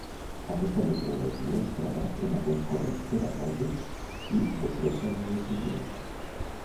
Aquesta metodologia es troba en alguns corrents pedagògics i de presa de decisions.